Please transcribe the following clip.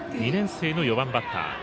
２年生の４番バッター。